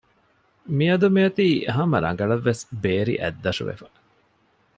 މިއަދު މިއޮތީ ހަމަ ރަނގަޅަށް ވެސް ބޭރި އަތްދަށުވެފަ